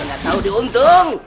enggak tau diuntung